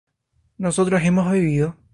¿nosotros hemos bebido?